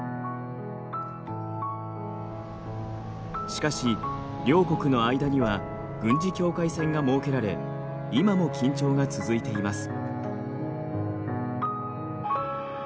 しかし両国の間には軍事境界線が設けられ今も緊張が続いています。